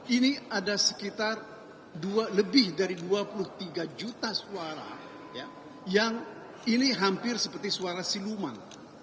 ini ada sekitar dua lebih dari dua puluh tiga juta suara yang ini hampir seperti suara siluman